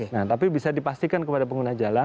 nah tapi bisa dipastikan kepada pengguna jalan